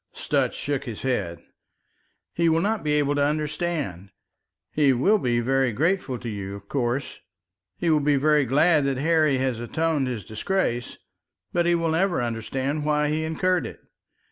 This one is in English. Sutch shook his head. "He will not be able to understand. He will be very grateful to you, of course. He will be very glad that Harry has atoned his disgrace, but he will never understand why he incurred it.